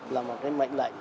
là một cái mệnh lệnh